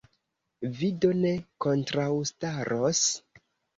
Vi do ne kontraŭstaros?